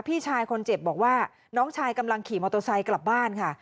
พี่ชายคนเจ็บบอกว่าน้องชายกำลังขี่มอเตอร์ไซค์กลับบ้านค่ะ